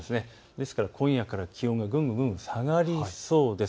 ですから今夜から気温がぐんぐん下がりそうです。